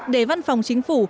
để văn phòng chính phủ